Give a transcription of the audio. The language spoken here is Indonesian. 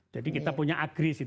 jadi kita punya agris